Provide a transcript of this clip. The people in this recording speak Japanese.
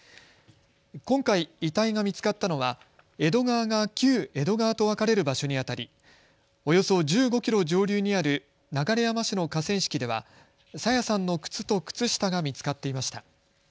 今回、遺体が見つかったのは江戸川が旧江戸川と分かれる場所にあたりおよそ１５キロ上流にある流山市の河川敷では朝芽さんの靴と靴下が見つかっていました。